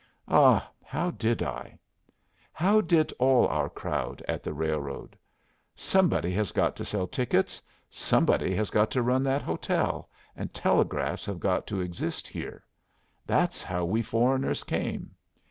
"Ah, how did I? How did all our crowd at the railroad? Somebody has got to sell tickets, somebody has got to run that hotel, and telegraphs have got to exist here. That's how we foreigners came.